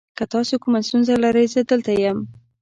که تاسو کومه ستونزه لرئ، زه دلته یم.